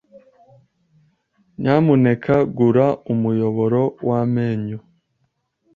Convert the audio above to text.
Nyamuneka gura umuyoboro wamenyo.